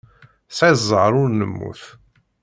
Tesεiḍ ẓẓher ur nemmut.